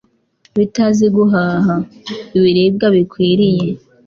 bitazi guhaha.ibiribwa bikwiriye